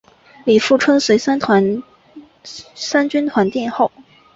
李富春随三军团殿后。